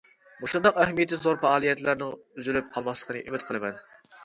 مۇشۇنداق ئەھمىيىتى زور پائالىيەتلەرنىڭ ئۈزۈلۈپ قالماسلىقىنى ئۈمىد قىلىمەن!